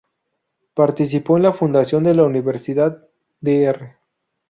Participó en la fundación de la Universidad "Dr.